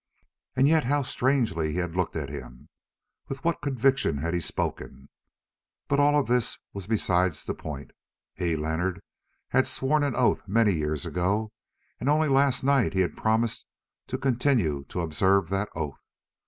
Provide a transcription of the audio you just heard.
And yet how strangely he had looked at him! With what conviction he had spoken! But all this was beside the point; he, Leonard, had sworn an oath many years ago, and only last night he had promised to continue to observe that oath.